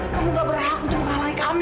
kamu gak berhak untuk menghalangi kami